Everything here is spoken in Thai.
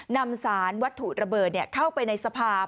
นำสารวัตถุระเบิดเข้าไปในสภาพ